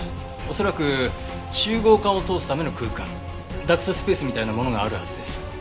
恐らく集合管を通すための空間ダクトスペースみたいなものがあるはずです。